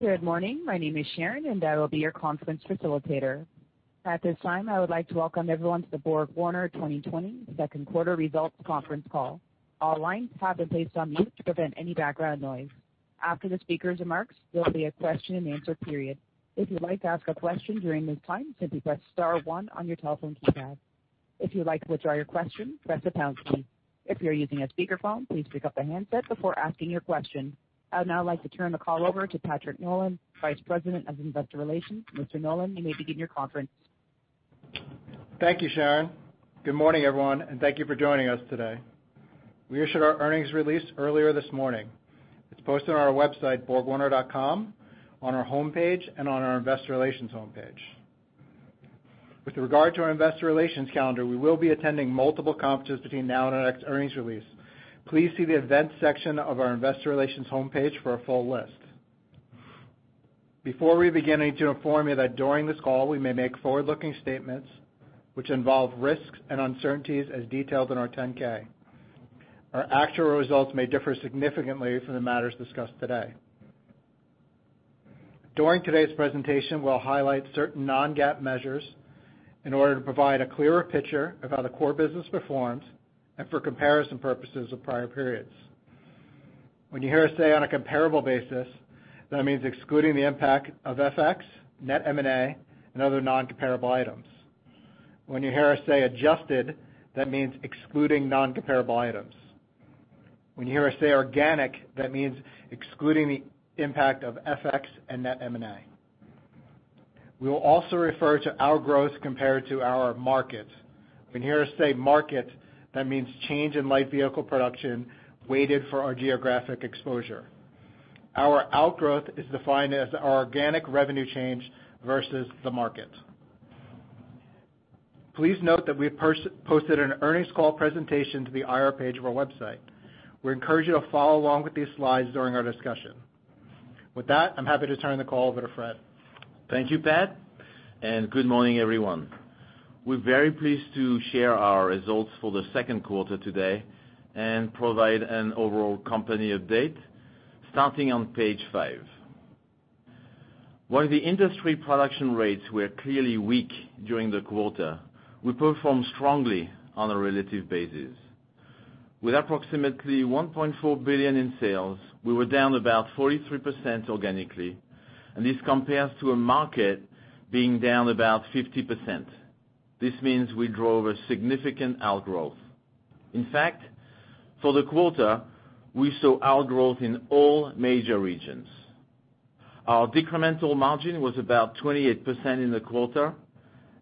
Good morning. My name is Sharon, and I will be your conference facilitator. At this time, I would like to welcome everyone to the BorgWarner 2020 Second Quarter Results Conference Call. All lines have been placed on mute to prevent any background noise. After the speaker's remarks, there will be a question-and-answer period. If you'd like to ask a question during this time, simply press star one on your telephone keypad. If you'd like to withdraw your question, press the pound key. If you're using a speakerphone, please pick up the handset before asking your question. I would now like to turn the call over to Patrick Nolan, Vice President of Investor Relations. Mr. Nolan, you may begin your conference. Thank you, Sharon. Good morning, everyone, and thank you for joining us today. We issued our earnings release earlier this morning. It's posted on our website, BorgWarner.com, on our home page, and on our Investor Relations home page. With regard to our Investor Relations calendar, we will be attending multiple conferences between now and our next earnings release. Please see the events section of our Investor Relations home page for a full list. Before we begin, I need to inform you that during this call, we may make forward-looking statements which involve risks and uncertainties as detailed in our 10-K. Our actual results may differ significantly from the matters discussed today. During today's presentation, we'll highlight certain non-GAAP measures in order to provide a clearer picture of how the core business performs and for comparison purposes of prior periods. When you hear us say on a comparable basis, that means excluding the impact of FX, net M&A, and other non-comparable items. When you hear us say adjusted, that means excluding non-comparable items. When you hear us say organic, that means excluding the impact of FX and net M&A. We will also refer to our growth compared to our market. When you hear us say market, that means change in light vehicle production weighted for our geographic exposure. Our outgrowth is defined as our organic revenue change versus the market. Please note that we have posted an earnings call presentation to the IR page of our website. We encourage you to follow along with these slides during our discussion. With that, I'm happy to turn the call over to Fréd. Thank you, Pat, and good morning, everyone. We're very pleased to share our results for the second quarter today and provide an overall company update starting on page five. While the industry production rates were clearly weak during the quarter, we performed strongly on a relative basis. With approximately $1.4 billion in sales, we were down about 43% organically, and this compares to a market being down about 50%. This means we drove a significant outgrowth. In fact, for the quarter, we saw outgrowth in all major regions. Our incremental margin was about 28% in the quarter,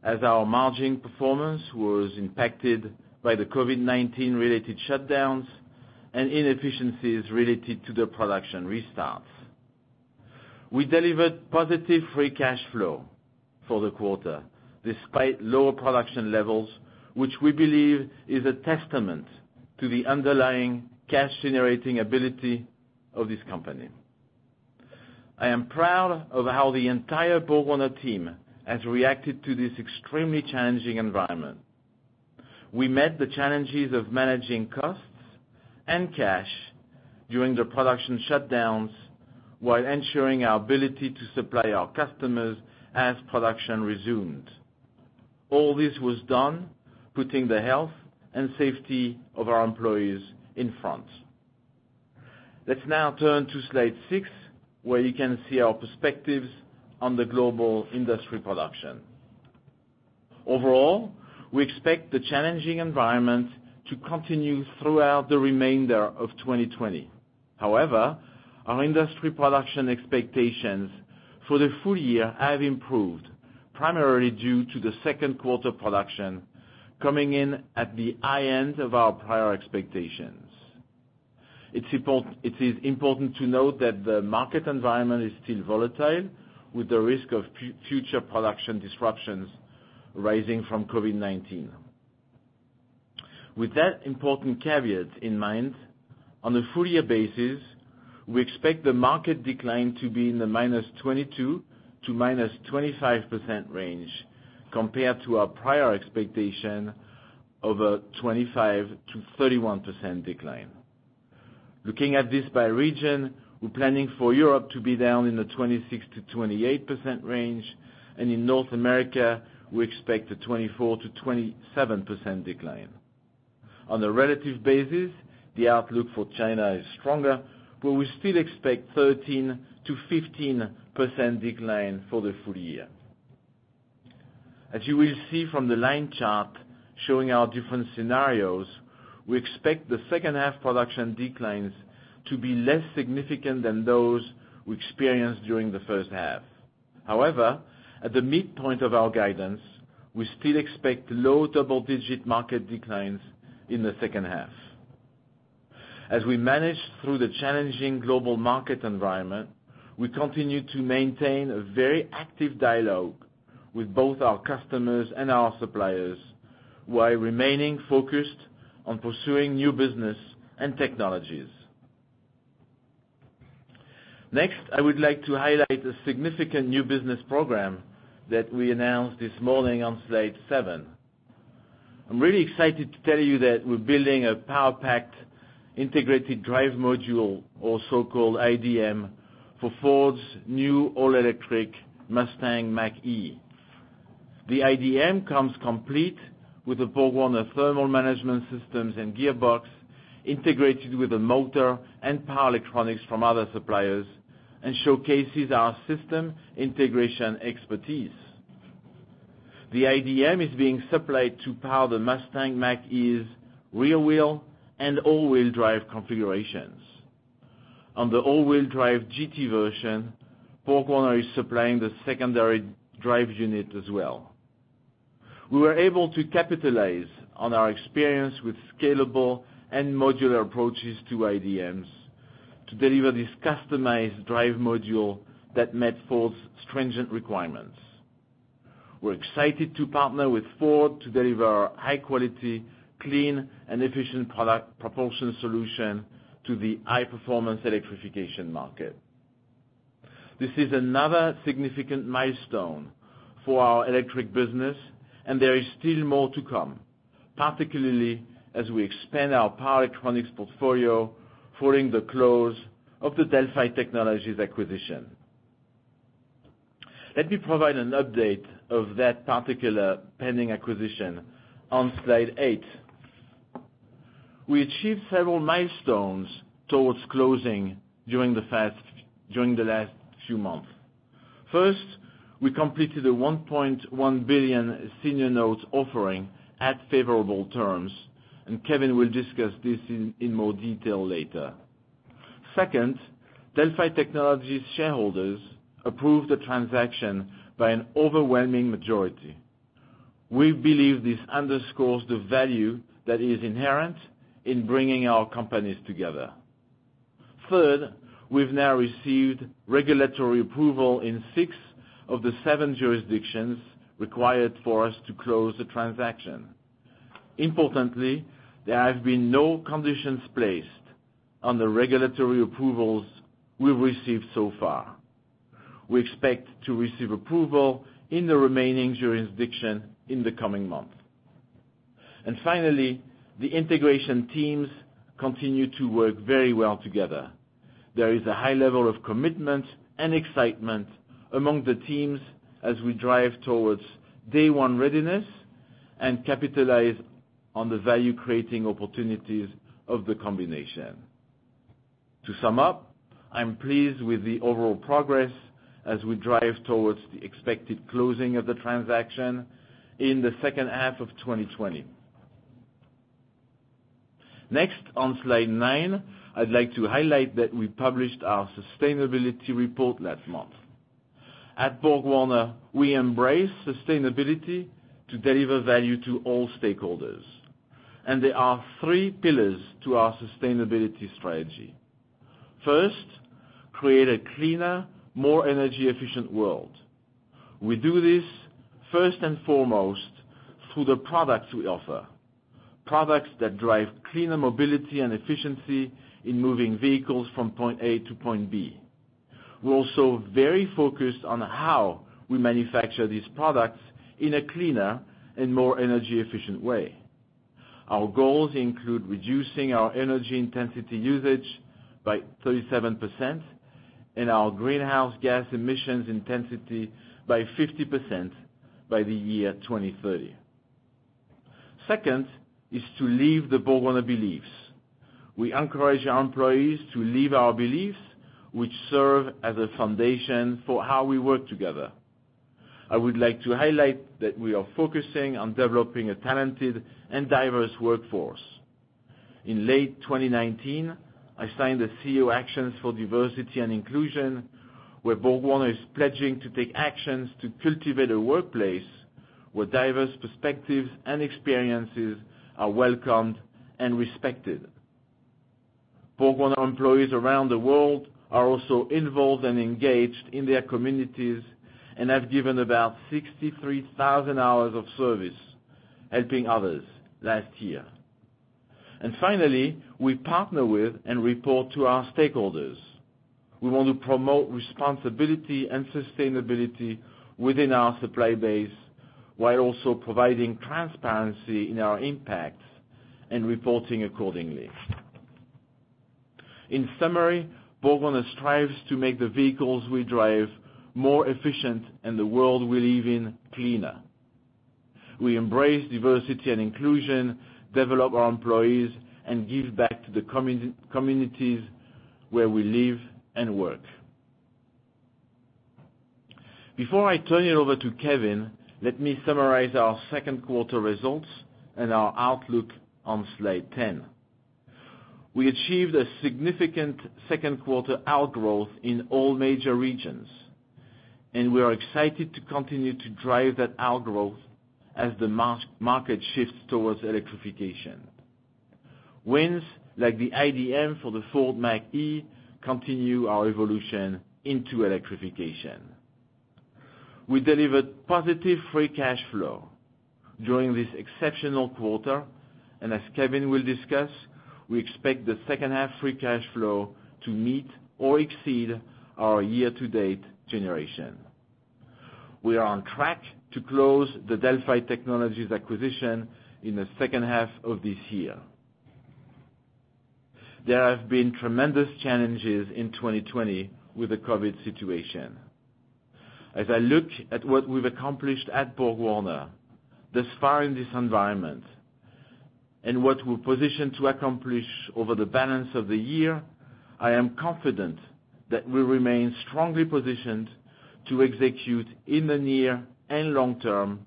as our margin performance was impacted by the COVID-19-related shutdowns and inefficiencies related to the production restarts. We delivered positive free cash flow for the quarter despite lower production levels, which we believe is a testament to the underlying cash-generating ability of this company. I am proud of how the entire BorgWarner team has reacted to this extremely challenging environment. We met the challenges of managing costs and cash during the production shutdowns while ensuring our ability to supply our customers as production resumed. All this was done putting the health and safety of our employees in front. Let's now turn to slide six, where you can see our perspectives on the global industry production. Overall, we expect the challenging environment to continue throughout the remainder of 2020. However, our industry production expectations for the full year have improved, primarily due to the second quarter production coming in at the high end of our prior expectations. It is important to note that the market environment is still volatile, with the risk of future production disruptions arising from COVID-19. With that important caveat in mind, on a full-year basis, we expect the market decline to be in the -22% to -25% range compared to our prior expectation of a 25% to 31% decline. Looking at this by region, we're planning for Europe to be down in the 26% to 28% range, and in North America, we expect a 24% to 27% decline. On a relative basis, the outlook for China is stronger, but we still expect 13% to 15% decline for the full year. As you will see from the line chart showing our different scenarios, we expect the second half production declines to be less significant than those we experienced during the first half. However, at the midpoint of our guidance, we still expect low double-digit market declines in the second half. As we manage through the challenging global market environment, we continue to maintain a very active dialogue with both our customers and our suppliers while remaining focused on pursuing new business and technologies. Next, I would like to highlight a significant new business program that we announced this morning on slide seven. I'm really excited to tell you that we're building a power-packed Integrated Drive Module, or so-called iDM, for Ford's new all-electric Mustang Mach-E. The iDM comes complete with the BorgWarner thermal management systems and gearbox integrated with a motor and power electronics from other suppliers and showcases our system integration expertise. The iDM is being supplied to power the Mustang Mach-E's rear-wheel and all-wheel drive configurations. On the all-wheel drive GT version, BorgWarner is supplying the secondary drive unit as well. We were able to capitalize on our experience with scalable and modular approaches to IDMs to deliver this customized drive module that met Ford's stringent requirements. We're excited to partner with Ford to deliver high-quality, clean, and efficient propulsion solution to the high-performance electrification market. This is another significant milestone for our electric business, and there is still more to come, particularly as we expand our power electronics portfolio following the close of the Delphi Technologies acquisition. Let me provide an update of that particular pending acquisition on slide eight. We achieved several milestones towards closing during the last few months. First, we completed a $1.1 billion senior note offering at favorable terms, and Kevin will discuss this in more detail later. Second, Delphi Technologies' shareholders approved the transaction by an overwhelming majority. We believe this underscores the value that is inherent in bringing our companies together. Third, we've now received regulatory approval in six of the seven jurisdictions required for us to close the transaction. Importantly, there have been no conditions placed on the regulatory approvals we've received so far. We expect to receive approval in the remaining jurisdiction in the coming month. And finally, the integration teams continue to work very well together. There is a high level of commitment and excitement among the teams as we drive towards day one readiness and capitalize on the value-creating opportunities of the combination. To sum up, I'm pleased with the overall progress as we drive towards the expected closing of the transaction in the second half of 2020. Next, on slide nine, I'd like to highlight that we published our sustainability report last month. At BorgWarner, we embrace sustainability to deliver value to all stakeholders, and there are three pillars to our sustainability strategy. First, create a cleaner, more energy-efficient world. We do this first and foremost through the products we offer, products that drive cleaner mobility and efficiency in moving vehicles from point A to point B. We're also very focused on how we manufacture these products in a cleaner and more energy-efficient way. Our goals include reducing our energy intensity usage by 37% and our greenhouse gas emissions intensity by 50% by the year 2030. Second is to live the BorgWarner beliefs. We encourage our employees to live our beliefs, which serve as a foundation for how we work together. I would like to highlight that we are focusing on developing a talented and diverse workforce. In late 2019, I signed the CEO Actions for Diversity and Inclusion, where BorgWarner is pledging to take actions to cultivate a workplace where diverse perspectives and experiences are welcomed and respected. BorgWarner employees around the world are also involved and engaged in their communities and have given about 63,000 hours of service helping others last year, and finally, we partner with and report to our stakeholders. We want to promote responsibility and sustainability within our supply base while also providing transparency in our impact and reporting accordingly. In summary, BorgWarner strives to make the vehicles we drive more efficient and the world we live in cleaner. We embrace diversity and inclusion, develop our employees, and give back to the communities where we live and work. Before I turn it over to Kevin, let me summarize our second quarter results and our outlook on slide 10. We achieved a significant second quarter outgrowth in all major regions, and we are excited to continue to drive that outgrowth as the market shifts towards electrification. Wins like the IDM for the Mustang Mach-E continue our evolution into electrification. We delivered positive free cash flow during this exceptional quarter, and as Kevin will discuss, we expect the second half free cash flow to meet or exceed our year-to-date generation. We are on track to close the Delphi Technologies acquisition in the second half of this year. There have been tremendous challenges in 2020 with the COVID situation. As I look at what we've accomplished at BorgWarner thus far in this environment and what we're positioned to accomplish over the balance of the year, I am confident that we remain strongly positioned to execute in the near and long term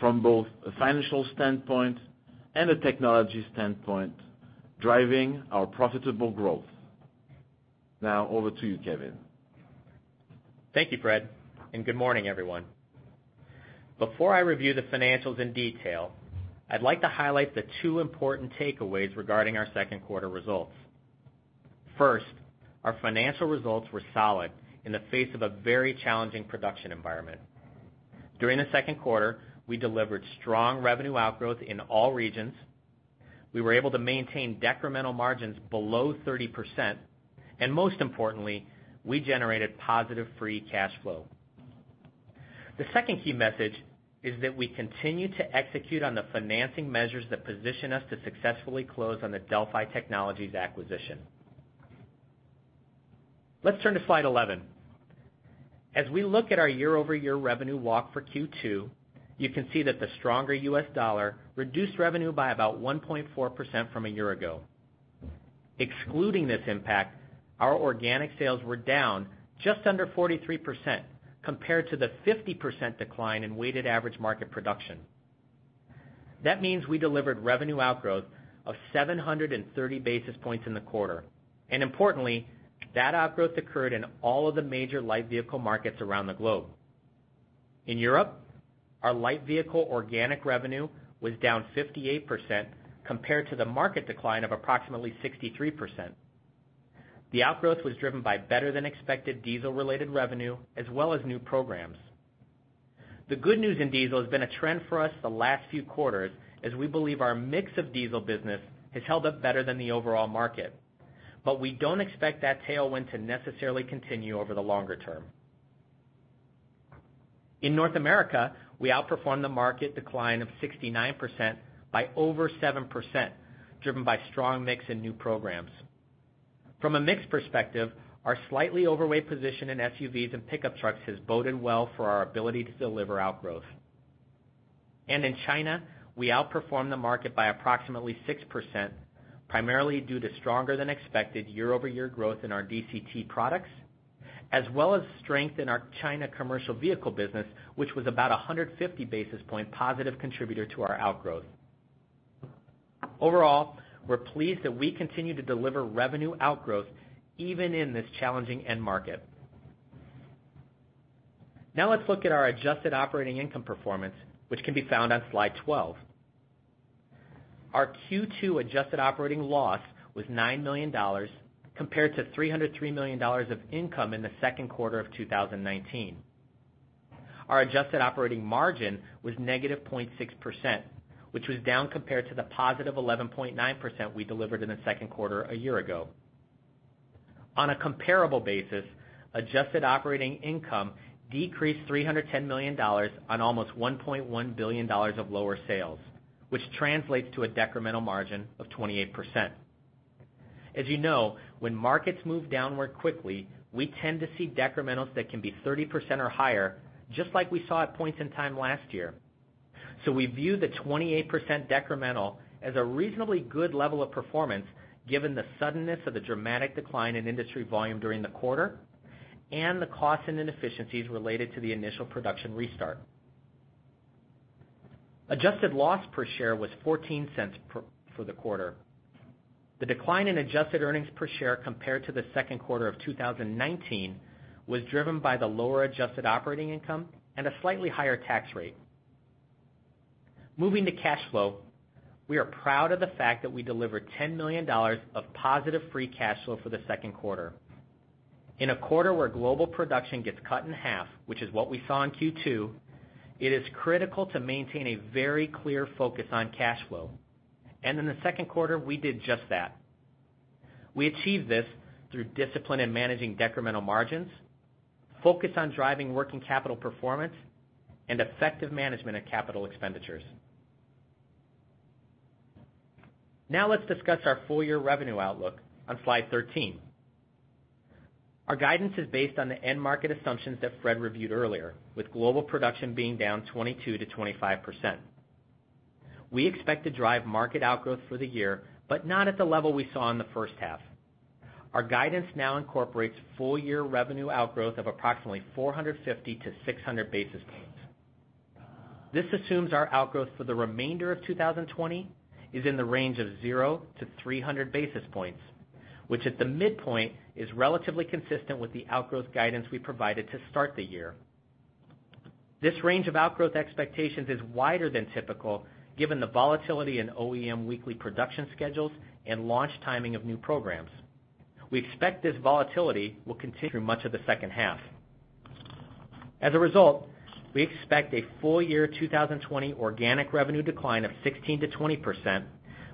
from both a financial standpoint and a technology standpoint, driving our profitable growth. Now, over to you, Kevin. Thank you, Fréd, and good morning, everyone. Before I review the financials in detail, I'd like to highlight the two important takeaways regarding our second quarter results. First, our financial results were solid in the face of a very challenging production environment. During the second quarter, we delivered strong revenue outgrowth in all regions. We were able to maintain decremental margins below 30%, and most importantly, we generated positive free cash flow. The second key message is that we continue to execute on the financing measures that position us to successfully close on the Delphi Technologies acquisition. Let's turn to slide 11. As we look at our year-over-year revenue walk for Q2, you can see that the stronger U.S. dollar reduced revenue by about 1.4% from a year ago. Excluding this impact, our organic sales were down just under 43% compared to the 50% decline in weighted average market production. That means we delivered revenue outgrowth of 730 basis points in the quarter. And importantly, that outgrowth occurred in all of the major light vehicle markets around the globe. In Europe, our light vehicle organic revenue was down 58% compared to the market decline of approximately 63%. The outgrowth was driven by better-than-expected diesel-related revenue, as well as new programs. The good news in diesel has been a trend for us the last few quarters, as we believe our mix of diesel business has held up better than the overall market, but we don't expect that tailwind to necessarily continue over the longer term. In North America, we outperformed the market decline of 69% by over 7%, driven by strong mix and new programs. From a mix perspective, our slightly overweight position in SUVs and pickup trucks has boded well for our ability to deliver outgrowth. In China, we outperformed the market by approximately 6%, primarily due to stronger-than-expected year-over-year growth in our DCT products, as well as strength in our China commercial vehicle business, which was about a 150 basis points positive contributor to our outgrowth. Overall, we're pleased that we continue to deliver revenue outgrowth even in this challenging end market. Now, let's look at our adjusted operating income performance, which can be found on slide 12. Our Q2 adjusted operating loss was $9 million compared to $303 million of income in the second quarter of 2019. Our adjusted operating margin was -0.6%, which was down compared to the positive 11.9% we delivered in the second quarter a year ago. On a comparable basis, adjusted operating income decreased $310 million on almost $1.1 billion of lower sales, which translates to a decremental margin of 28%. As you know, when markets move downward quickly, we tend to see decrementals that can be 30% or higher, just like we saw at points in time last year. So we view the 28% decremental as a reasonably good level of performance given the suddenness of the dramatic decline in industry volume during the quarter and the costs and inefficiencies related to the initial production restart. Adjusted loss per share was -$0.14 for the quarter. The decline in adjusted earnings per share compared to the second quarter of 2019 was driven by the lower adjusted operating income and a slightly higher tax rate. Moving to cash flow, we are proud of the fact that we delivered $10 million of positive free cash flow for the second quarter. In a quarter where global production gets cut in half, which is what we saw in Q2, it is critical to maintain a very clear focus on cash flow. And in the second quarter, we did just that. We achieved this through discipline in managing decremental margins, focus on driving working capital performance, and effective management of capital expenditures. Now, let's discuss our full-year revenue outlook on slide 13. Our guidance is based on the end market assumptions that Fréd reviewed earlier, with global production being down 22%-25%. We expect to drive market outgrowth for the year, but not at the level we saw in the first half. Our guidance now incorporates full-year revenue outgrowth of approximately 450-600 basis points. This assumes our outgrowth for the remainder of 2020 is in the range of 0 to 300 basis points, which at the midpoint is relatively consistent with the outgrowth guidance we provided to start the year. This range of outgrowth expectations is wider than typical given the volatility in OEM weekly production schedules and launch timing of new programs. We expect this volatility will continue through much of the second half. As a result, we expect a full-year 2020 organic revenue decline of 16%-20%,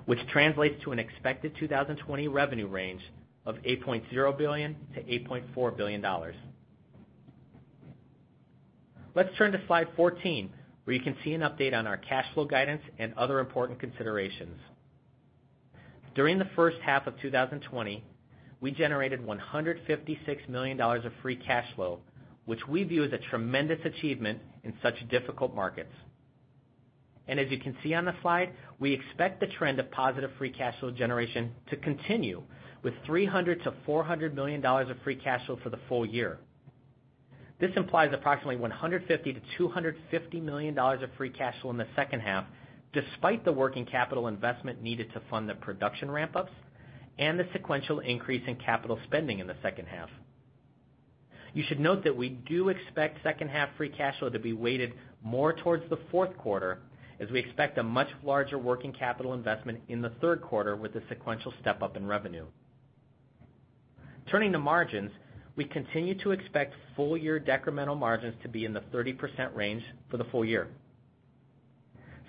which translates to an expected 2020 revenue range of $8.0 billion-$8.4 billion. Let's turn to slide 14, where you can see an update on our cash flow guidance and other important considerations. During the first half of 2020, we generated $156 million of free cash flow, which we view as a tremendous achievement in such difficult markets. And as you can see on the slide, we expect the trend of positive free cash flow generation to continue with $300 million-$400 million of free cash flow for the full year. This implies approximately $150 million-$250 million of free cash flow in the second half, despite the working capital investment needed to fund the production ramp-ups and the sequential increase in capital spending in the second half. You should note that we do expect second-half free cash flow to be weighted more towards the fourth quarter, as we expect a much larger working capital investment in the third quarter with a sequential step-up in revenue. Turning to margins, we continue to expect full-year decremental margins to be in the 30% range for the full year.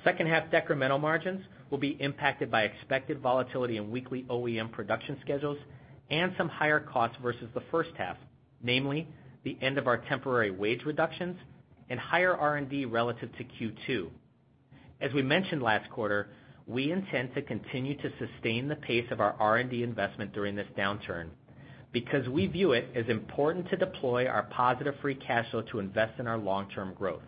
Second-half decremental margins will be impacted by expected volatility in weekly OEM production schedules and some higher costs versus the first half, namely the end of our temporary wage reductions and higher R&D relative to Q2. As we mentioned last quarter, we intend to continue to sustain the pace of our R&D investment during this downturn because we view it as important to deploy our positive free cash flow to invest in our long-term growth.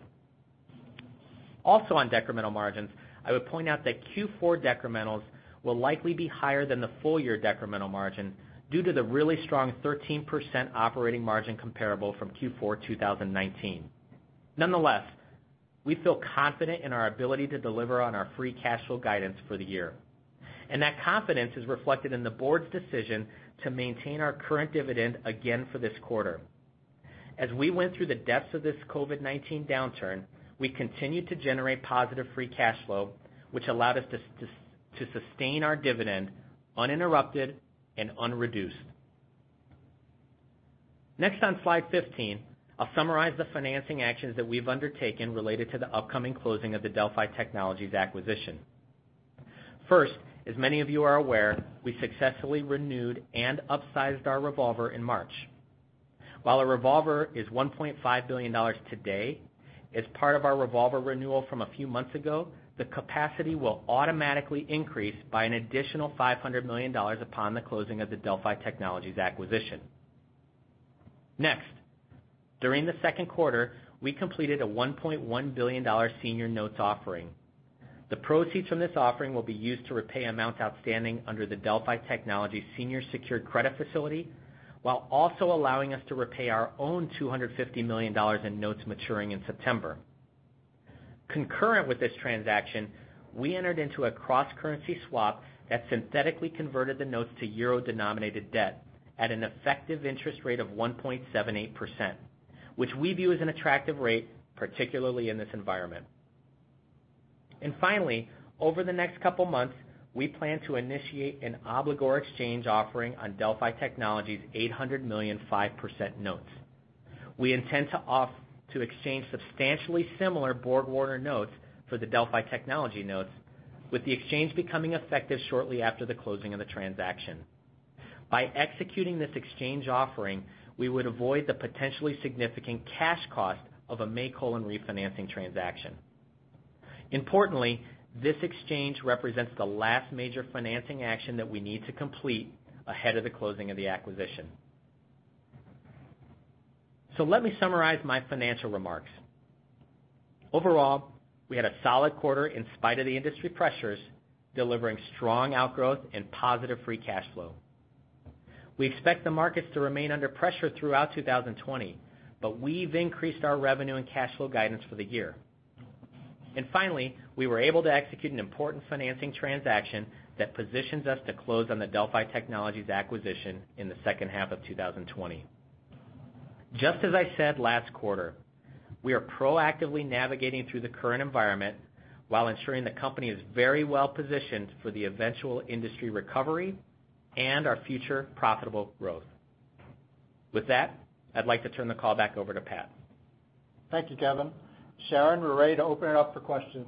Also, on decremental margins, I would point out that Q4 decrementals will likely be higher than the full-year decremental margin due to the really strong 13% operating margin comparable from Q4 2019. Nonetheless, we feel confident in our ability to deliver on our free cash flow guidance for the year, and that confidence is reflected in the board's decision to maintain our current dividend again for this quarter. As we went through the depths of this COVID-19 downturn, we continued to generate positive free cash flow, which allowed us to sustain our dividend uninterrupted and unreduced. Next, on slide 15, I'll summarize the financing actions that we've undertaken related to the upcoming closing of the Delphi Technologies acquisition. First, as many of you are aware, we successfully renewed and upsized our Revolver in March. While our Revolver is $1.5 billion today, as part of our Revolver renewal from a few months ago, the capacity will automatically increase by an additional $500 million upon the closing of the Delphi Technologies acquisition. Next, during the second quarter, we completed a $1.1 billion senior notes offering. The proceeds from this offering will be used to repay amounts outstanding under the Delphi Technologies Senior Secured Credit Facility while also allowing us to repay our own $250 million in notes maturing in September. Concurrent with this transaction, we entered into a Cross-Currency Swap that synthetically converted the notes to euro-denominated debt at an effective interest rate of 1.78%, which we view as an attractive rate, particularly in this environment, and finally, over the next couple of months, we plan to initiate an Obligor Exchange Offering on Delphi Technologies' 800 million 5% notes. We intend to exchange substantially similar BorgWarner notes for the Delphi Technologies notes, with the exchange becoming effective shortly after the closing of the transaction. By executing this exchange offering, we would avoid the potentially significant cash cost of a make-whole refinancing transaction. Importantly, this exchange represents the last major financing action that we need to complete ahead of the closing of the acquisition, so let me summarize my financial remarks. Overall, we had a solid quarter in spite of the industry pressures, delivering strong outgrowth and positive free cash flow. We expect the markets to remain under pressure throughout 2020, but we've increased our revenue and cash flow guidance for the year. And finally, we were able to execute an important financing transaction that positions us to close on the Delphi Technologies acquisition in the second half of 2020. Just as I said last quarter, we are proactively navigating through the current environment while ensuring the company is very well positioned for the eventual industry recovery and our future profitable growth. With that, I'd like to turn the call back over to Pat. Thank you, Kevin. Sharon, we're ready to open it up for questions.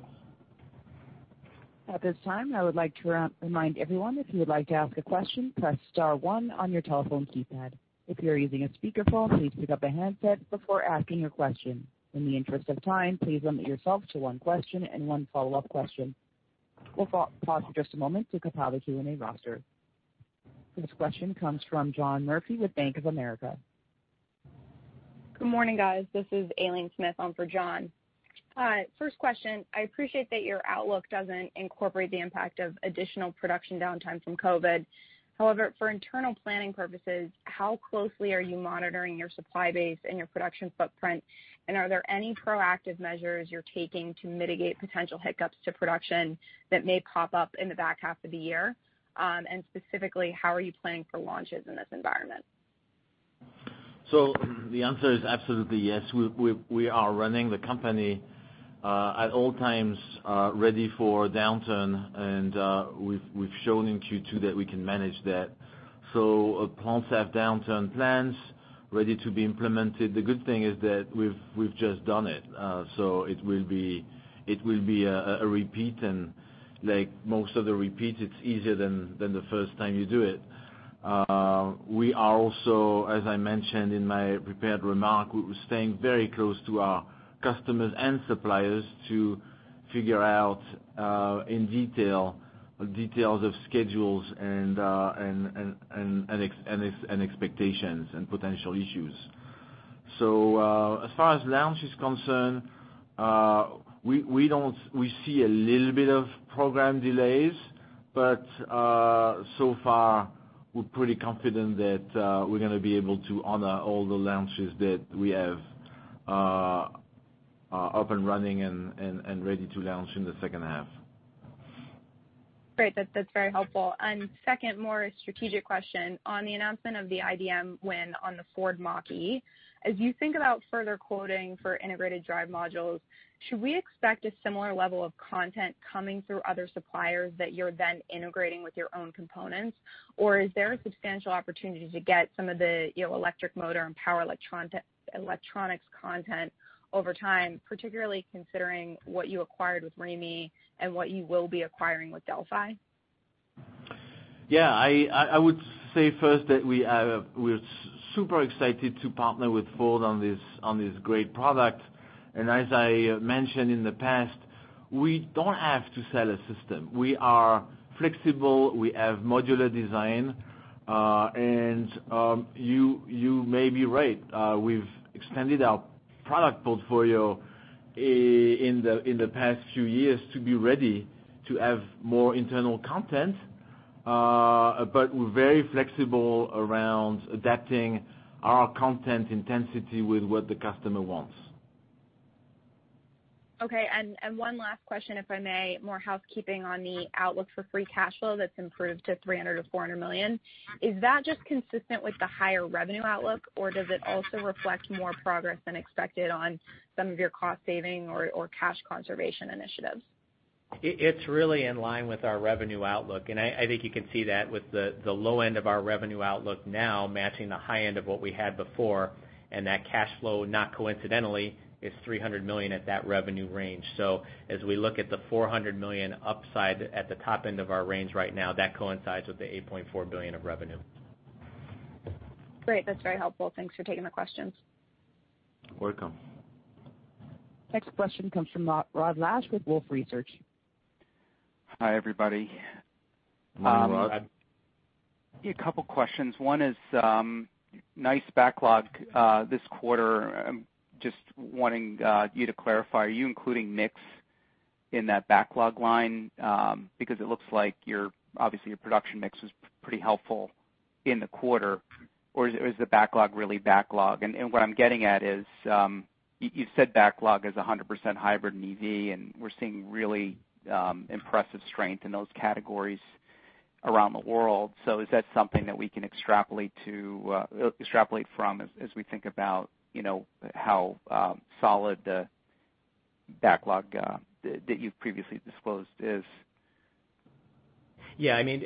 At this time, I would like to remind everyone, if you would like to ask a question, press star one on your telephone keypad. If you're using a speakerphone, please pick up a handset before asking your question. In the interest of time, please limit yourself to one question and one follow-up question. We'll pause for just a moment to compile the Q&A roster. This question comes from John Murphy with Bank of America. Good morning, guys. This is Aileen Smith on for John. First question, I appreciate that your outlook doesn't incorporate the impact of additional production downtime from COVID. However, for internal planning purposes, how closely are you monitoring your supply base and your production footprint? And are there any proactive measures you're taking to mitigate potential hiccups to production that may pop up in the back half of the year? And specifically, how are you planning for launches in this environment? So the answer is absolutely yes. We are running the company at all times ready for downturn, and we've shown in Q2 that we can manage that. So plans have downturn plans ready to be implemented. The good thing is that we've just done it, so it will be a repeat. And like most of the repeats, it's easier than the first time you do it. We are also, as I mentioned in my prepared remark, staying very close to our customers and suppliers to figure out in detail details of schedules and expectations and potential issues. So as far as launch is concerned, we see a little bit of program delays, but so far, we're pretty confident that we're going to be able to honor all the launches that we have up and running and ready to launch in the second half. Great. That's very helpful. And second, more strategic question. On the announcement of the IDM win on the Ford Mach-E, as you think about further quoting for integrated drive modules, should we expect a similar level of content coming through other suppliers that you're then integrating with your own components? Or is there a substantial opportunity to get some of the electric motor and power electronics content over time, particularly considering what you acquired with Remy and what you will be acquiring with Delphi? Yeah. I would say first that we're super excited to partner with Ford on this great product. And as I mentioned in the past, we don't have to sell a system. We are flexible. We have modular design. And you may be right. We've extended our product portfolio in the past few years to be ready to have more internal content, but we're very flexible around adapting our content intensity with what the customer wants. Okay. And one last question, if I may, more housekeeping on the outlook for free cash flow that's improved to $300 million-$400 million. Is that just consistent with the higher revenue outlook, or does it also reflect more progress than expected on some of your cost-saving or cash conservation initiatives? It's really in line with our revenue outlook. And I think you can see that with the low end of our revenue outlook now matching the high end of what we had before. And that cash flow, not coincidentally, is $300 million at that revenue range. So as we look at the $400 million upside at the top end of our range right now, that coincides with the $8.4 billion of revenue. Great. That's very helpful. Thanks for taking the questions. Welcome. Next question comes from Rod Lache with Wolfe Research. Hi, everybody. Hi, Rod. Hi, Rod. Yeah, a couple of questions. One is nice backlog this quarter. Just wanting you to clarify, are you including mix in that backlog line? Because it looks like obviously your production mix was pretty helpful in the quarter. Or is the backlog really backlog? And what I'm getting at is you've said backlog is 100% hybrid and EV, and we're seeing really impressive strength in those categories around the world. So is that something that we can extrapolate from as we think about how solid the backlog that you've previously disclosed is? Yeah. I mean,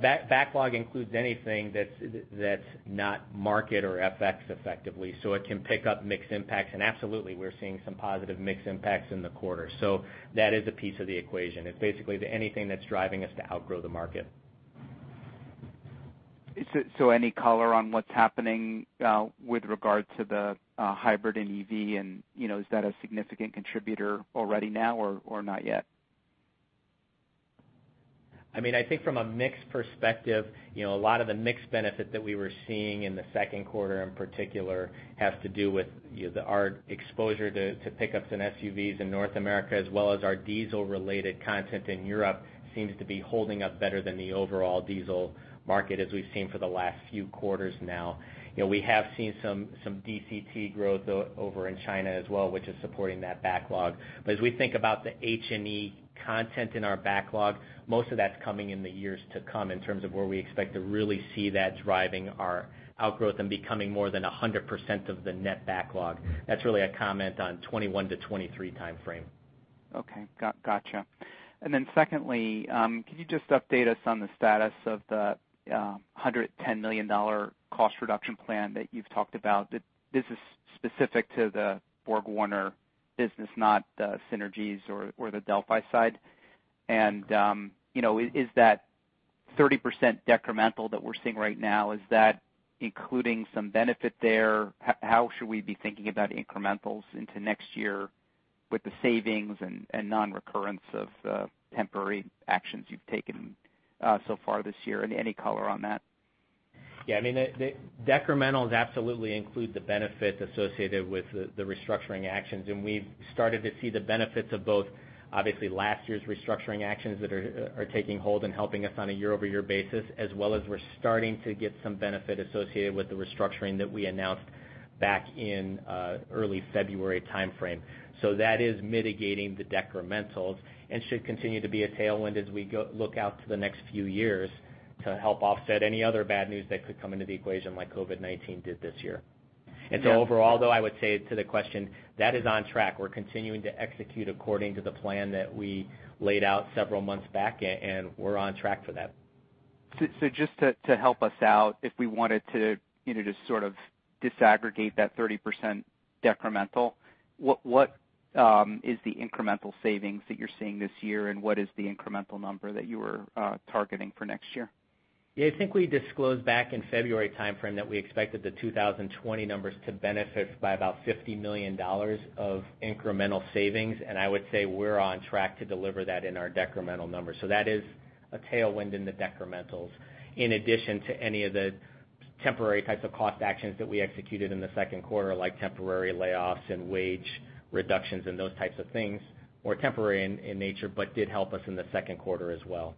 backlog includes anything that's not market or FX effectively. So it can pick up mix impacts. And absolutely, we're seeing some positive mix impacts in the quarter. So that is a piece of the equation. It's basically anything that's driving us to outgrow the market. So any color on what's happening with regard to the hybrid and EV? And is that a significant contributor already now or not yet? I mean, I think from a mix perspective, a lot of the mix benefit that we were seeing in the second quarter in particular has to do with our exposure to pickups and SUVs in North America, as well as our diesel-related content in Europe, seems to be holding up better than the overall diesel market, as we've seen for the last few quarters now. We have seen some DCT growth over in China as well, which is supporting that backlog. But as we think about the H&E content in our backlog, most of that's coming in the years to come in terms of where we expect to really see that driving our outgrowth and becoming more than 100% of the net backlog. That's really a comment on 2021 to 2023 timeframe. Okay. Gotcha. And then secondly, can you just update us on the status of the $110 million cost reduction plan that you've talked about? This is specific to the BorgWarner business, not the Synergies or the Delphi side. And is that 30% decremental that we're seeing right now, is that including some benefit there? How should we be thinking about incrementals into next year with the savings and non-recurrence of temporary actions you've taken so far this year? Any color on that? Yeah. I mean, decrementals absolutely include the benefit associated with the restructuring actions. And we've started to see the benefits of both, obviously, last year's restructuring actions that are taking hold and helping us on a year-over-year basis, as well as we're starting to get some benefit associated with the restructuring that we announced back in early February timeframe. So that is mitigating the decrementals and should continue to be a tailwind as we look out to the next few years to help offset any other bad news that could come into the equation like COVID-19 did this year. And so overall, though, I would say to the question, that is on track. We're continuing to execute according to the plan that we laid out several months back, and we're on track for that. Just to help us out, if we wanted to just sort of disaggregate that 30% decremental, what is the incremental savings that you're seeing this year, and what is the incremental number that you were targeting for next year? Yeah. I think we disclosed back in February timeframe that we expected the 2020 numbers to benefit by about $50 million of incremental savings. And I would say we're on track to deliver that in our decremental numbers. So that is a tailwind in the decrementals, in addition to any of the temporary types of cost actions that we executed in the second quarter, like temporary layoffs and wage reductions and those types of things, more temporary in nature, but did help us in the second quarter as well.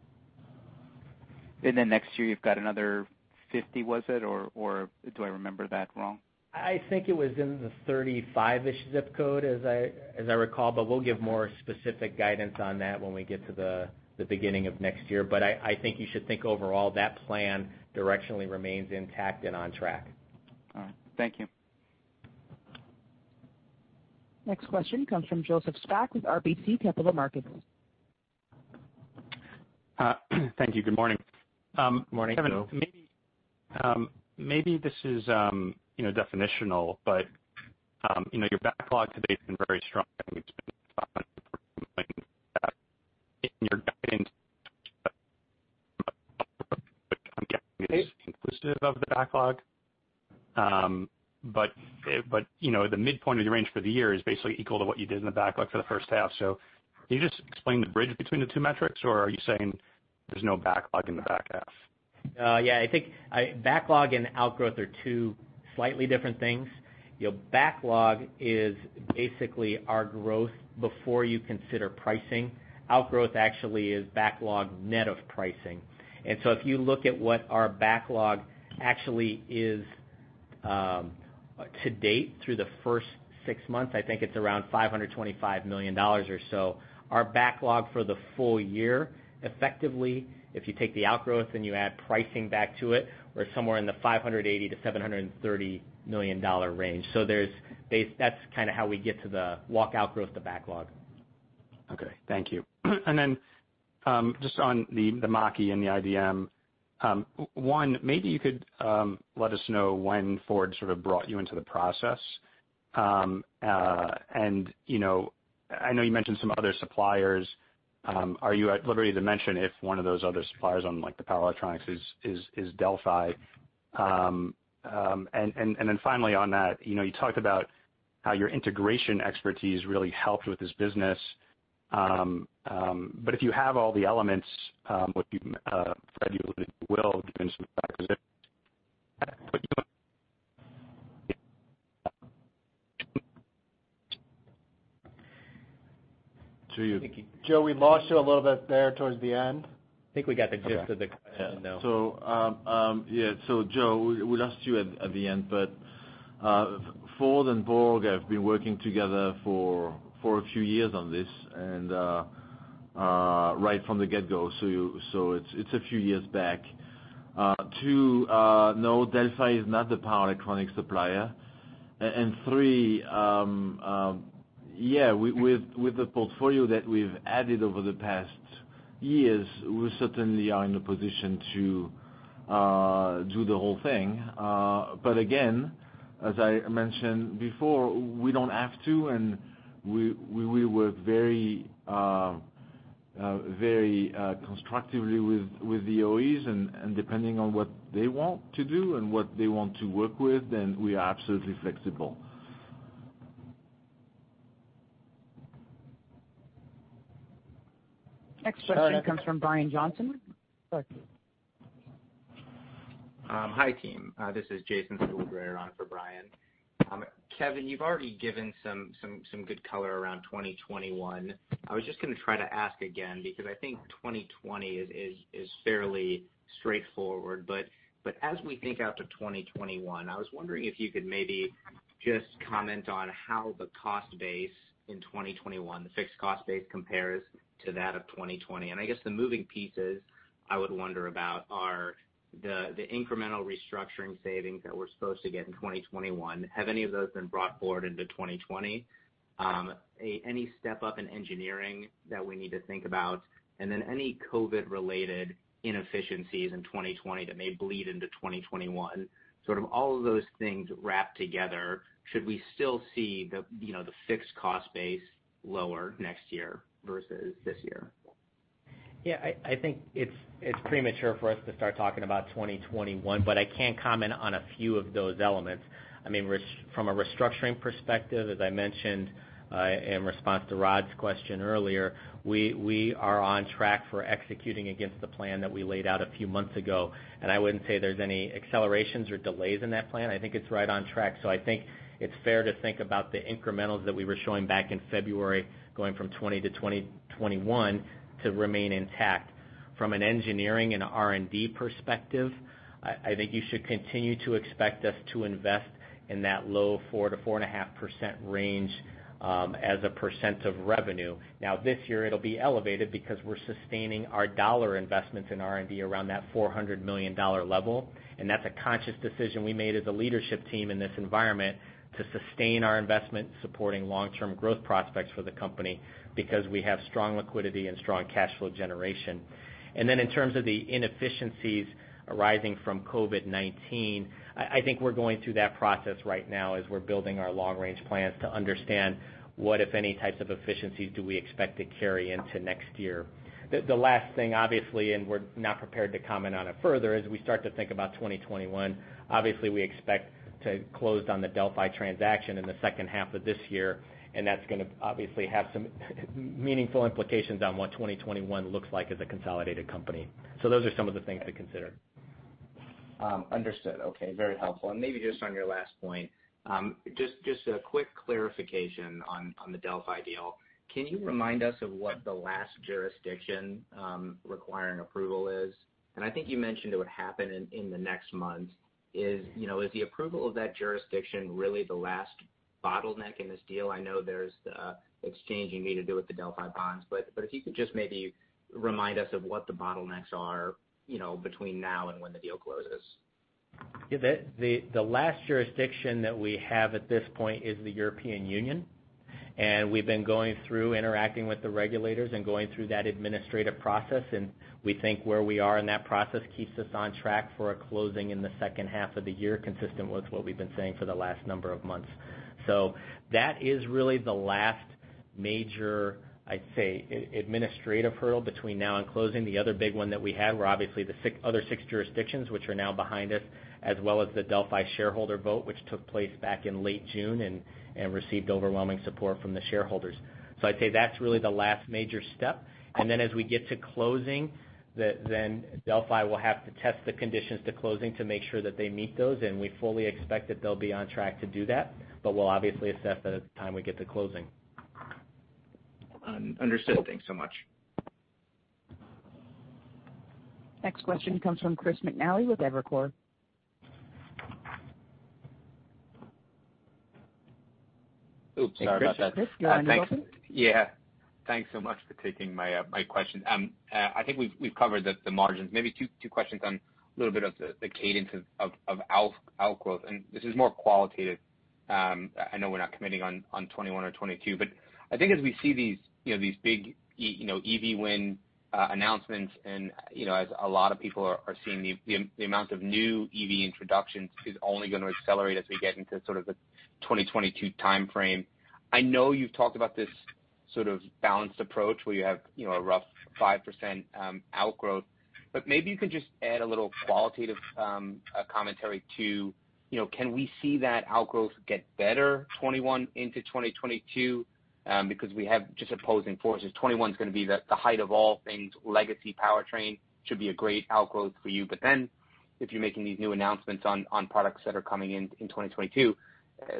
Then next year, you've got another 50, was it? Or do I remember that wrong? I think it was in the 35-ish zip code, as I recall, but we'll give more specific guidance on that when we get to the beginning of next year, but I think you should think overall that plan directionally remains intact and on track. All right. Thank you. Next question comes from Joseph Spak with RBC Capital Markets. Thank you. Good morning. Good morning. Kevin, maybe this is definitional, but your backlog today has been very strong. It's been in your guidance, but I'm guessing it's inclusive of the backlog. But the midpoint of your range for the year is basically equal to what you did in the backlog for the first half. So can you just explain the bridge between the two metrics, or are you saying there's no backlog in the back half? Yeah. I think backlog and outgrowth are two slightly different things. Backlog is basically our growth before you consider pricing. Outgrowth actually is backlog net of pricing. And so if you look at what our backlog actually is to date through the first six months, I think it's around $525 million or so. Our backlog for the full year, effectively, if you take the outgrowth and you add pricing back to it, we're somewhere in the $580 millon-$730 million range. So that's kind of how we get to the walk-out growth to backlog. Okay. Thank you. And then just on the Mach-E and the IDM, one, maybe you could let us know when Ford sort of brought you into the process. And I know you mentioned some other suppliers. Are you liberated to mention if one of those other suppliers on the power electronics is Delphi? And then finally on that, you talked about how your integration expertise really helped with this business. But if you have all the elements, Fréd, you will do some acquisitions. Thank you. Joe, we lost you a little bit there towards the end. I think we got the gist of the question, though. Yeah. So Joe, we lost you at the end, but Ford and Borg have been working together for a few years on this, right from the get-go. So it's a few years back. Two, no, Delphi is not the power electronics supplier. And three, yeah, with the portfolio that we've added over the past years, we certainly are in a position to do the whole thing. But again, as I mentioned before, we don't have to, and we will work very constructively with the OEs. And depending on what they want to do and what they want to work with, then we are absolutely flexible. Next question comes from Brian Johnson. Hi, team. This is Jason Siu on for Brian. Kevin, you've already given some good color around 2021. I was just going to try to ask again because I think 2020 is fairly straightforward, but as we think out to 2021, I was wondering if you could maybe just comment on how the cost base in 2021, the fixed cost base, compares to that of 2020, and I guess the moving pieces I would wonder about are the incremental restructuring savings that we're supposed to get in 2021. Have any of those been brought forward into 2020? Any step up in engineering that we need to think about, and then any COVID-related inefficiencies in 2020 that may bleed into 2021? Sort of all of those things wrapped together, should we still see the fixed cost base lower next year versus this year? Yeah. I think it's premature for us to start talking about 2021, but I can comment on a few of those elements. I mean, from a restructuring perspective, as I mentioned in response to Rod's question earlier, we are on track for executing against the plan that we laid out a few months ago. And I wouldn't say there's any accelerations or delays in that plan. I think it's right on track. So I think it's fair to think about the incrementals that we were showing back in February, going from 2020 to 2021, to remain intact. From an engineering and R&D perspective, I think you should continue to expect us to invest in that low 4%-4.5% range as a % of revenue. Now, this year, it'll be elevated because we're sustaining our dollar investments in R&D around that $400 million level. That's a conscious decision we made as a leadership team in this environment to sustain our investment, supporting long-term growth prospects for the company because we have strong liquidity and strong cash flow generation. In terms of the inefficiencies arising from COVID-19, I think we're going through that process right now as we're building our long-range plans to understand what, if any, types of efficiencies do we expect to carry into next year. The last thing, obviously, we're not prepared to comment on it further. As we start to think about 2021, obviously, we expect to close on the Delphi transaction in the second half of this year. That's going to obviously have some meaningful implications on what 2021 looks like as a consolidated company. Those are some of the things to consider. Understood. Okay. Very helpful. And maybe just on your last point, just a quick clarification on the Delphi deal. Can you remind us of what the last jurisdiction requiring approval is? And I think you mentioned it would happen in the next month. Is the approval of that jurisdiction really the last bottleneck in this deal? I know there's the exchange you need to do with the Delphi bonds. But if you could just maybe remind us of what the bottlenecks are between now and when the deal closes. Yeah. The last jurisdiction that we have at this point is the European Union. And we've been going through, interacting with the regulators, and going through that administrative process. And we think where we are in that process keeps us on track for a closing in the second half of the year, consistent with what we've been saying for the last number of months. So that is really the last major, I'd say, administrative hurdle between now and closing. The other big one that we had were obviously the other six jurisdictions, which are now behind us, as well as the Delphi shareholder vote, which took place back in late June and received overwhelming support from the shareholders. So I'd say that's really the last major step. And then as we get to closing, then Delphi will have to test the conditions to closing to make sure that they meet those. And we fully expect that they'll be on track to do that. But we'll obviously assess that at the time we get to closing. Understood. Thanks so much. Next question comes from Chris McNally with Evercore. Oops. Sorry about that. Chris, you're on the phone. Yeah. Thanks so much for taking my question. I think we've covered the margins. Maybe two questions on a little bit of the cadence of outgrowth. And this is more qualitative. I know we're not committing on 2021 or 2022. But I think as we see these big EV win announcements, and as a lot of people are seeing, the amount of new EV introductions is only going to accelerate as we get into sort of the 2022 timeframe. I know you've talked about this sort of balanced approach where you have a rough 5% outgrowth. But maybe you can just add a little qualitative commentary to can we see that outgrowth get better 2021 into 2022? Because we have just opposing forces. 2021 is going to be the height of all things. Legacy powertrain should be a great outgrowth for you. But then if you're making these new announcements on products that are coming in 2022,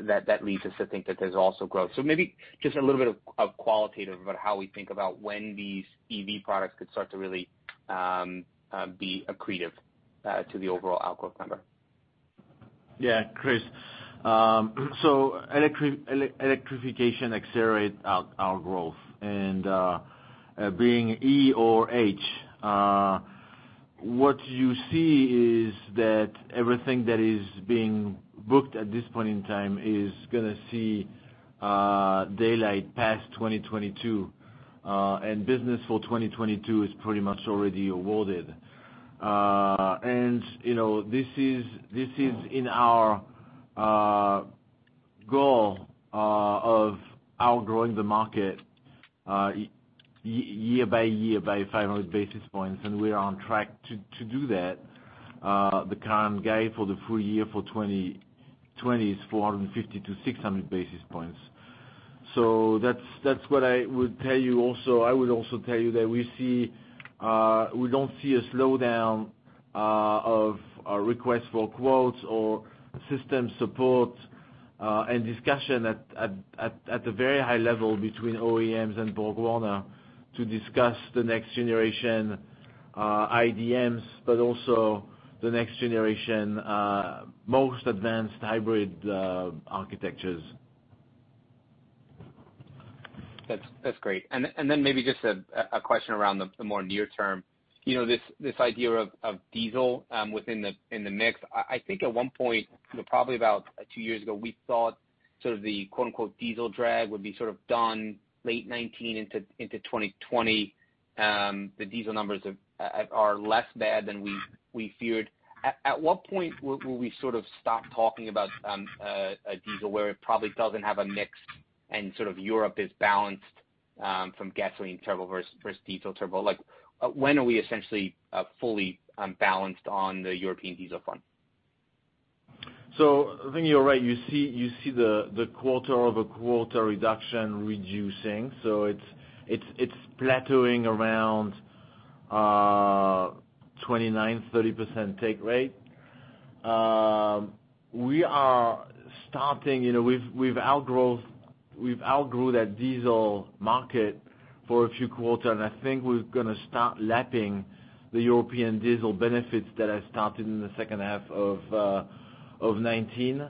that leads us to think that there's also growth. So maybe just a little bit of qualitative about how we think about when these EV products could start to really be accretive to the overall outgrowth number. Yeah. Chris. Electrification accelerates our growth. Being E or H, what you see is that everything that is being booked at this point in time is going to see daylight past 2022. Business for 2022 is pretty much already awarded. This is in our goal of outgrowing the market year by year by 500 basis points. We are on track to do that. The current guide for the full year for 2020 is 450 to 600 basis points. That's what I would tell you also. I would also tell you that we don't see a slowdown of requests for quotes or system support and discussion at the very high level between OEMs and BorgWarner to discuss the next generation IDMs, but also the next generation most advanced hybrid architectures. That's great. And then maybe just a question around the more near term. This idea of diesel within the mix. I think at one point, probably about two years ago, we thought sort of the "diesel drag" would be sort of done late 2019 into 2020. The diesel numbers are less bad than we feared. At what point will we sort of stop talking about a diesel where it probably doesn't have a mix and sort of Europe is balanced from gasoline turbo versus diesel turbo? When are we essentially fully balanced on the European diesel fund? I think you're right. You see the quarter-over-quarter reduction reducing. It's plateauing around 29%-30% take rate. We are starting with outgrowth. We've outgrew that diesel market for a few quarters. I think we're going to start lapping the European diesel benefits that have started in the second half of 2019.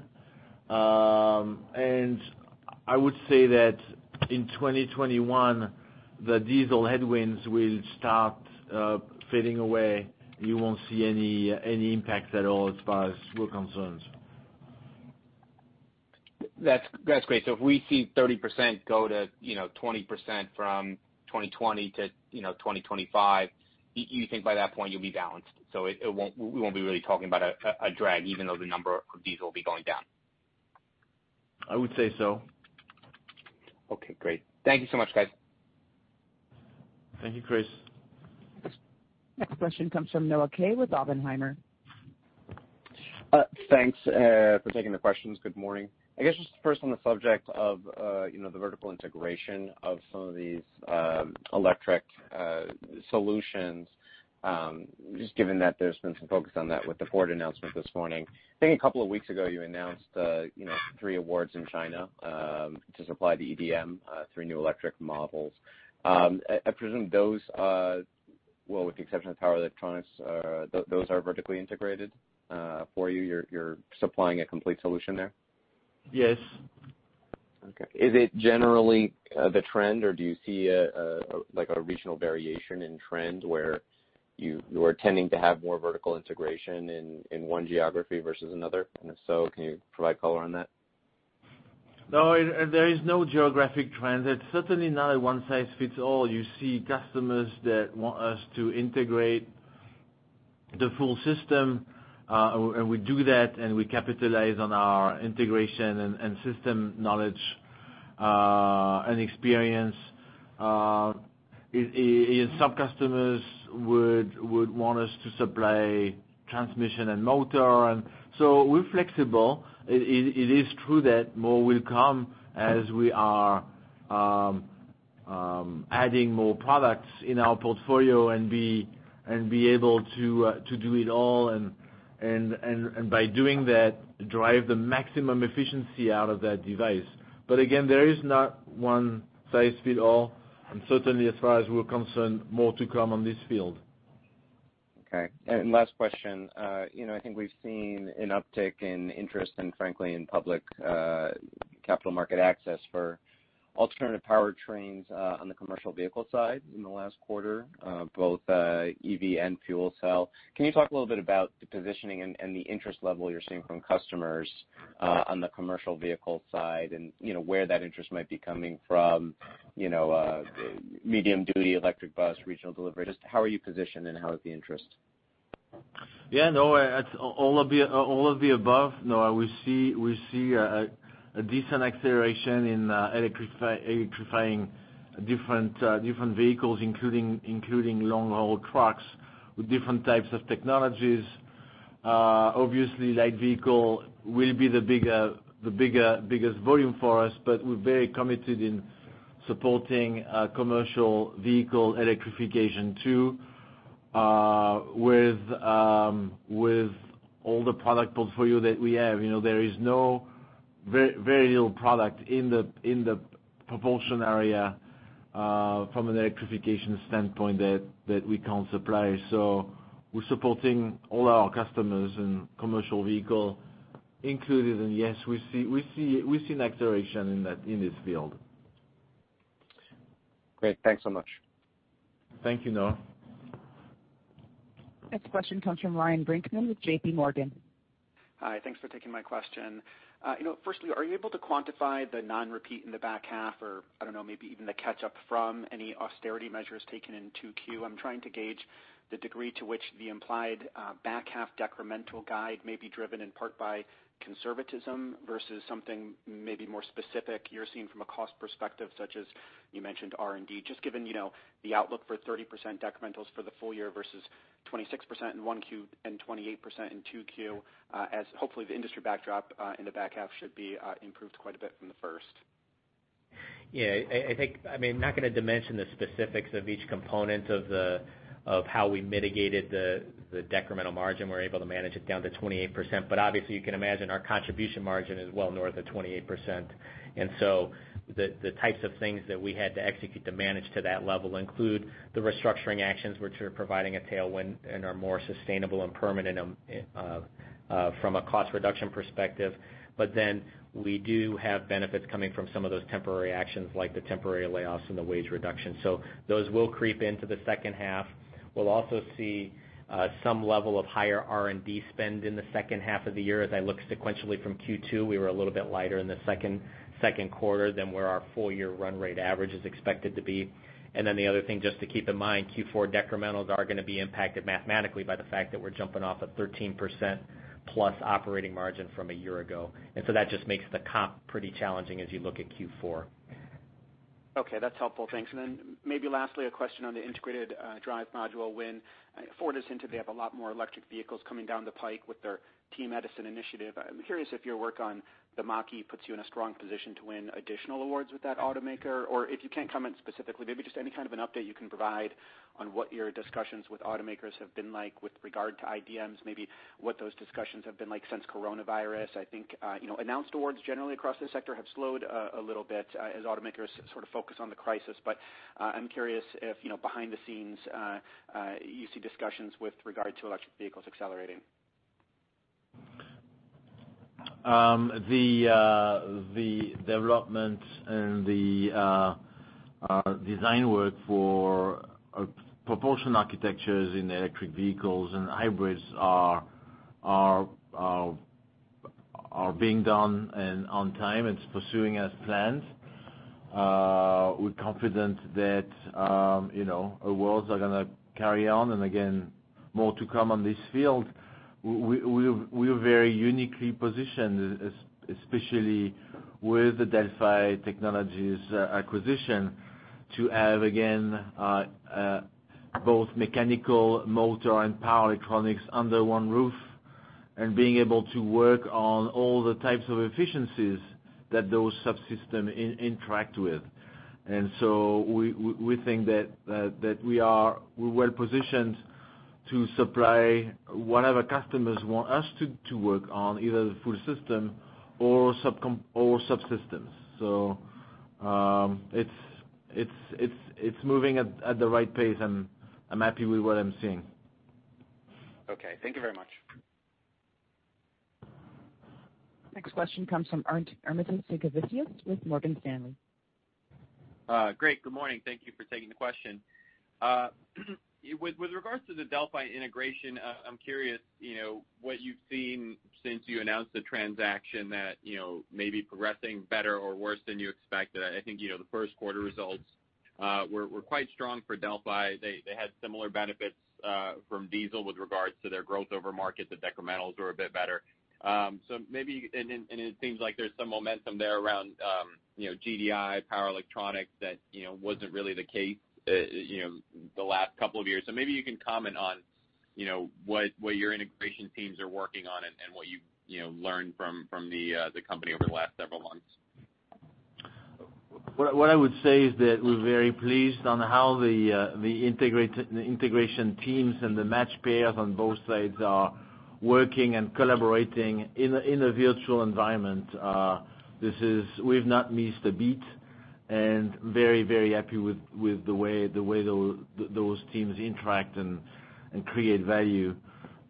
I would say that in 2021, the diesel headwinds will start fading away. You won't see any impact at all as far as we're concerned. That's great. So if we see 30% go to 20% from 2020 to 2025, you think by that point you'll be balanced. So we won't be really talking about a drag, even though the number of diesel will be going down. I would say so. Okay. Great. Thank you so much, guys. Thank you, Chris. Next question comes from Noah Kaye with Oppenheimer. Thanks for taking the questions. Good morning. I guess just first on the subject of the vertical integration of some of these electric solutions, just given that there's been some focus on that with the Ford announcement this morning. I think a couple of weeks ago, you announced three awards in China to supply the eDM to new electric models. I presume those, well, with the exception of power electronics, those are vertically integrated for you. You're supplying a complete solution there? Yes. Okay. Is it generally the trend, or do you see a regional variation in trend where you are tending to have more vertical integration in one geography versus another? And if so, can you provide color on that? No, there is no geographic trend. It's certainly not a one-size-fits-all. You see customers that want us to integrate the full system. And we do that, and we capitalize on our integration and system knowledge and experience. Some customers would want us to supply transmission and motor. And so we're flexible. It is true that more will come as we are adding more products in our portfolio and be able to do it all. And by doing that, drive the maximum efficiency out of that device. But again, there is not one-size-fits-all. And certainly, as far as we're concerned, more to come on this field. Okay. And last question. I think we've seen an uptick in interest and, frankly, in public capital market access for alternative powertrains on the commercial vehicle side in the last quarter, both EV and fuel cell. Can you talk a little bit about the positioning and the interest level you're seeing from customers on the commercial vehicle side and where that interest might be coming from? Medium-duty electric bus, regional delivery. Just how are you positioned, and how is the interest? Yeah. No, all of the above. No, we see a decent acceleration in electrifying different vehicles, including long-haul trucks with different types of technologies. Obviously, light vehicle will be the biggest volume for us. But we're very committed in supporting commercial vehicle electrification too with all the product portfolio that we have. There is very little product in the propulsion area from an electrification standpoint that we can't supply. So we're supporting all our customers including commercial vehicles. And yes, we see an acceleration in this field. Great. Thanks so much. Thank you, Noah. Next question comes from Ryan Brinkman with JPMorgan. Hi. Thanks for taking my question. First, are you able to quantify the non-repeat in the back half or, I don't know, maybe even the catch-up from any austerity measures taken in 2Q? I'm trying to gauge the degree to which the implied back half decremental guide may be driven in part by conservatism versus something maybe more specific you're seeing from a cost perspective, such as you mentioned R&D. Just given the outlook for 30% decrementals for the full year versus 26% in 1Q and 28% in 2Q, as hopefully the industry backdrop in the back half should be improved quite a bit from the first. Yeah. I mean, I'm not going to dimension the specifics of each component of how we mitigated the decremental margin. We're able to manage it down to 28%. But obviously, you can imagine our contribution margin is well north of 28%. And so the types of things that we had to execute to manage to that level include the restructuring actions, which are providing a tailwind and are more sustainable and permanent from a cost reduction perspective. But then we do have benefits coming from some of those temporary actions like the temporary layoffs and the wage reduction. So those will creep into the second half. We'll also see some level of higher R&D spend in the second half of the year as I look sequentially from Q2. We were a little bit lighter in the second quarter than where our full-year run rate average is expected to be. And then the other thing, just to keep in mind, Q4 decrementals are going to be impacted mathematically by the fact that we're jumping off a 13% plus operating margin from a year ago. And so that just makes the comp pretty challenging as you look at Q4. Okay. That's helpful. Thanks. And then maybe lastly, a question on the integrated drive module. Ford is hinted they have a lot more electric vehicles coming down the pike with their Team Edison. I'm curious if your work on the Mach-E puts you in a strong position to win additional awards with that automaker? Or if you can't comment specifically, maybe just any kind of an update you can provide on what your discussions with automakers have been like with regard to IDMs, maybe what those discussions have been like since coronavirus? I think announced awards generally across the sector have slowed a little bit as automakers sort of focus on the crisis. But I'm curious if behind the scenes, you see discussions with regard to electric vehicles accelerating? The development and the design work for propulsion architectures in electric vehicles and hybrids are being done and on time. It's progressing as planned. We're confident that our work is going to carry on, and again, more to come on this front. We are very uniquely positioned, especially with the Delphi Technologies acquisition, to have, again, both mechanical, motor, and power electronics under one roof and being able to work on all the types of efficiencies that those subsystems interact with. We think that we are well positioned to supply whatever customers want us to work on, either the full system or subsystems. It's moving at the right pace, and I'm happy with what I'm seeing. Okay. Thank you very much. Next question comes from Armintas Sinkevicius with Morgan Stanley. Great. Good morning. Thank you for taking the question. With regards to the Delphi integration, I'm curious what you've seen since you announced the transaction that may be progressing better or worse than you expected. I think the first quarter results were quite strong for Delphi. They had similar benefits from diesel with regards to their growth over market. The decrementals were a bit better. And it seems like there's some momentum there around GDI, power electronics, that wasn't really the case the last couple of years. So maybe you can comment on what your integration teams are working on and what you've learned from the company over the last several months. What I would say is that we're very pleased on how the integration teams and the match pairs on both sides are working and collaborating in a virtual environment. We've not missed a beat, and very, very happy with the way those teams interact and create value.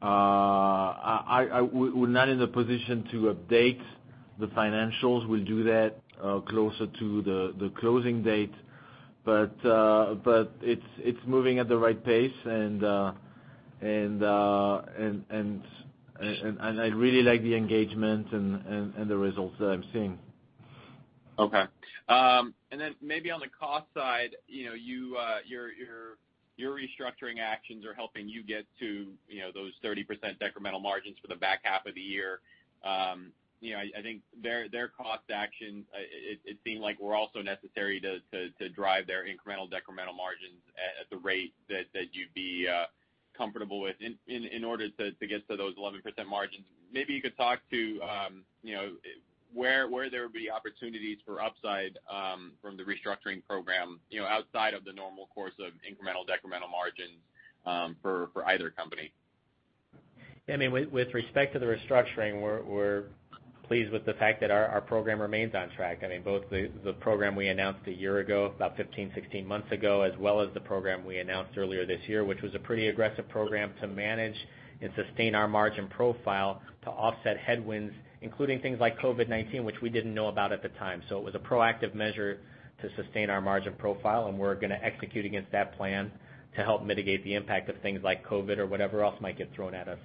We're not in a position to update the financials. We'll do that closer to the closing date, but it's moving at the right pace, and I really like the engagement and the results that I'm seeing. Okay. And then maybe on the cost side, your restructuring actions are helping you get to those 30% decremental margins for the back half of the year. I think their cost action; it seemed like were also necessary to drive their incremental decremental margins at the rate that you'd be comfortable with in order to get to those 11% margins. Maybe you could talk to where there would be opportunities for upside from the restructuring program outside of the normal course of incremental decremental margins for either company. Yeah. I mean, with respect to the restructuring, we're pleased with the fact that our program remains on track. I mean, both the program we announced a year ago, about 15, 16 months ago, as well as the program we announced earlier this year, which was a pretty aggressive program to manage and sustain our margin profile to offset headwinds, including things like COVID-19, which we didn't know about at the time. So it was a proactive measure to sustain our margin profile. We're going to execute against that plan to help mitigate the impact of things like COVID or whatever else might get thrown at us.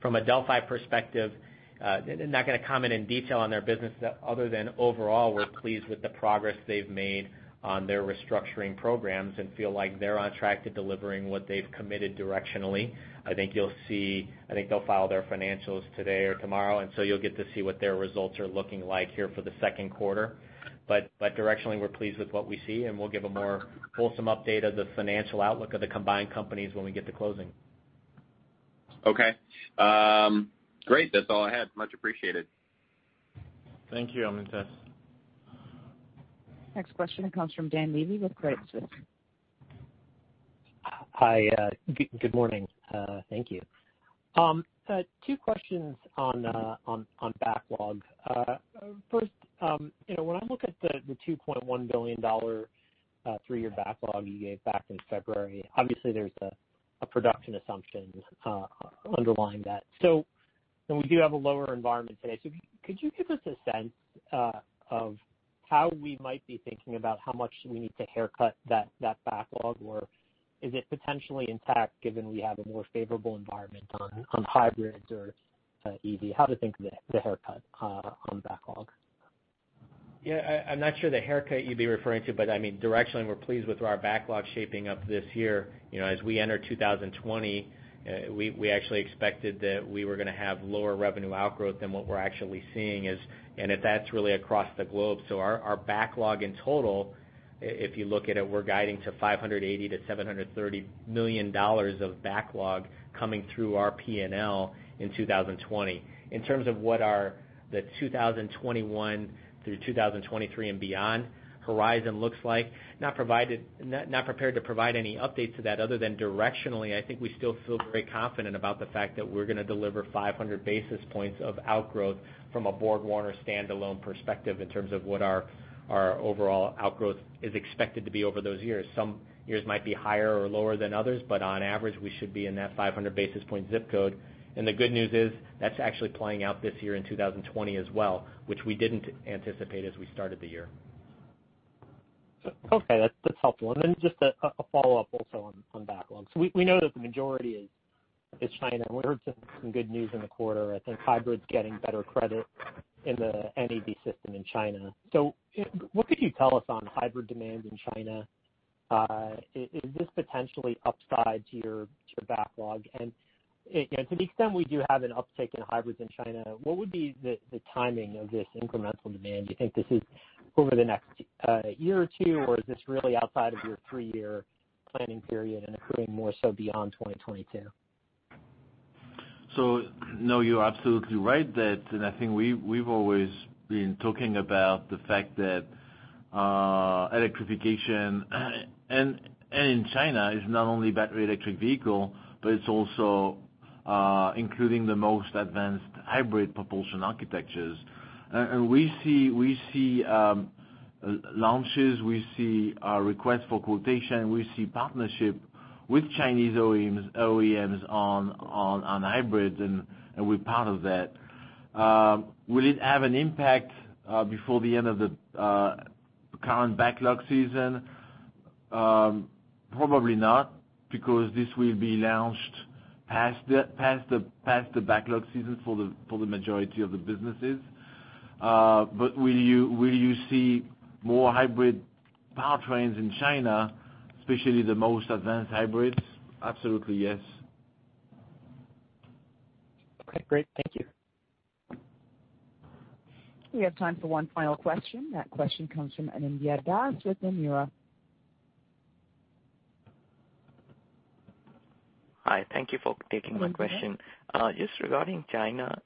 From a Delphi perspective, not going to comment in detail on their business, other than overall, we're pleased with the progress they've made on their restructuring programs and feel like they're on track to delivering what they've committed directionally. I think you'll see they'll file their financials today or tomorrow. And so you'll get to see what their results are looking like here for the second quarter. But directionally, we're pleased with what we see. And we'll give a more wholesome update of the financial outlook of the combined companies when we get to closing. Okay. Great. That's all I had. Much appreciated. Thank you, Armintas. Next question comes from Dan Levy with Credit Suisse. Hi. Good morning. Thank you. Two questions on backlog. First, when I look at the $2.1 billion three-year backlog you gave back in February, obviously, there's a production assumption underlying that, and we do have a lower environment today, so could you give us a sense of how we might be thinking about how much we need to haircut that backlog? Or is it potentially intact given we have a more favorable environment on hybrids or EV? How to think of the haircut on backlog? Yeah. I'm not sure the haircut you'd be referring to. But I mean, directionally, we're pleased with our backlog shaping up this year. As we enter 2020, we actually expected that we were going to have lower revenue outgrowth than what we're actually seeing. And that's really across the globe. So our backlog in total, if you look at it, we're guiding to $580 million-$730 million of backlog coming through our P&L in 2020. In terms of what the 2021 through 2023 and beyond horizon looks like, not prepared to provide any updates to that other than directionally, I think we still feel very confident about the fact that we're going to deliver 500 basis points of outgrowth from a BorgWarner standalone perspective in terms of what our overall outgrowth is expected to be over those years. Some years might be higher or lower than others. But on average, we should be in that 500 basis point zip code. And the good news is that's actually playing out this year in 2020 as well, which we didn't anticipate as we started the year. Okay. That's helpful. And then just a follow-up also on backlog. So we know that the majority is China. And we heard some good news in the quarter. I think hybrid's getting better credit in the NAV system in China. So what could you tell us on hybrid demand in China? Is this potentially upside to your backlog? And to the extent we do have an uptick in hybrids in China, what would be the timing of this incremental demand? Do you think this is over the next year or two? Or is this really outside of your three-year planning period and occurring more so beyond 2022? So no, you're absolutely right, and I think we've always been talking about the fact that electrification in China is not only battery electric vehicle, but it's also including the most advanced hybrid propulsion architectures. And we see launches. We see requests for quotation. We see partnership with Chinese OEMs on hybrids. And we're part of that. Will it have an impact before the end of the current backlog season? Probably not because this will be launched past the backlog season for the majority of the businesses, but will you see more hybrid powertrains in China, especially the most advanced hybrids? Absolutely, yes. Okay. Great. Thank you. We have time for one final question. That question comes from Anindya Das with Nomura. Hi. Thank you for taking my question. Just regarding China,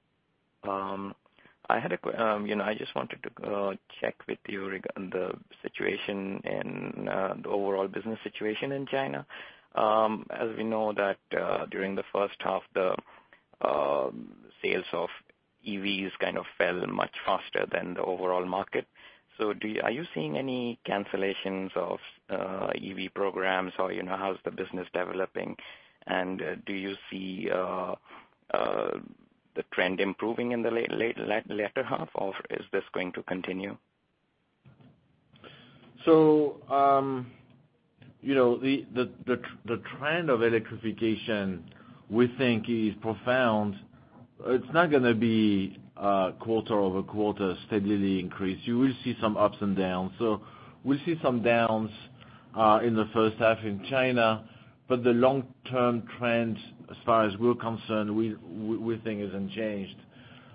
I just wanted to check with you on the situation and the overall business situation in China. As we know that during the first half, the sales of EVs kind of fell much faster than the overall market. So are you seeing any cancellations of EV programs? Or how's the business developing? And do you see the trend improving in the latter half? Or is this going to continue? So the trend of electrification, we think, is profound. It's not going to be quarter over quarter steadily increased. You will see some ups and downs. So we'll see some downs in the first half in China. But the long-term trend, as far as we're concerned, we think is unchanged.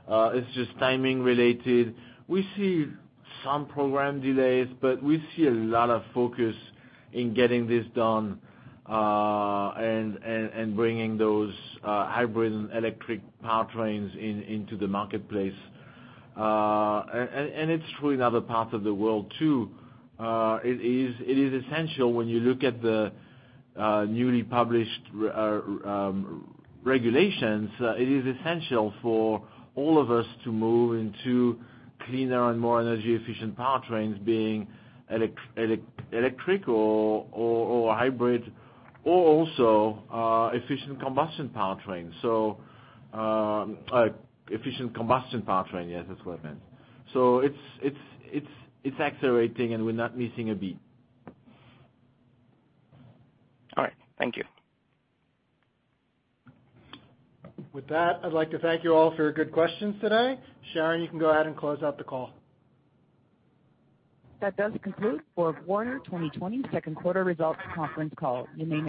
It's just timing related. We see some program delays. But we see a lot of focus in getting this done and bringing those hybrid and electric powertrains into the marketplace. And it's true in other parts of the world too. It is essential when you look at the newly published regulations. It is essential for all of us to move into cleaner and more energy-efficient powertrains, being electric or hybrid, or also efficient combustion powertrains. So efficient combustion powertrain, yes, that's what I meant. So it's accelerating. And we're not missing a beat. All right. Thank you. With that, I'd like to thank you all for your good questions today. Sharon, you can go ahead and close out the call. That does conclude BorgWarner 2020 second quarter results conference call. You may.